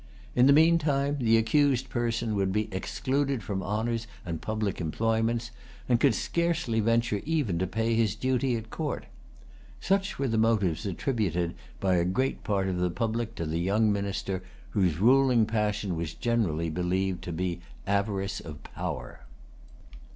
In the meantime, the accused person would be excluded from honors and public employments, and could scarcely venture even to pay his duty at court. Such were the motives attributed by a great part of the public to the young minister, whose ruling passion was generally believed to be avarice of power.